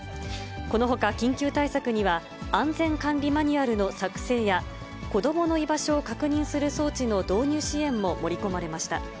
このほか、緊急対策には安全管理マニュアルの作成や、子どもの居場所を確認する装置の導入支援も盛り込まれました。